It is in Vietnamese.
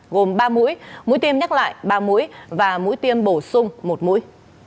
gồm ba mũi mũi mũi tiêm nhắc lại ba mũi và mũi tiêm bổ sung một mũi